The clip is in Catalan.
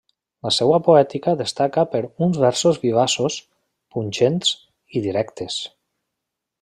La seua poètica destaca per uns versos vivaços, punxents i directes.